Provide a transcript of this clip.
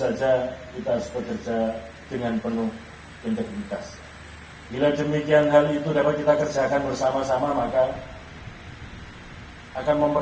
agar kita mu foreign of stirrera dan kerjasama dan sisir kita nature